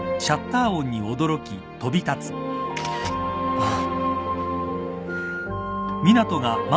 あっ。